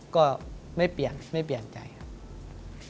ก็ไม่เปลี่ยนไม่เปลี่ยนใจครับ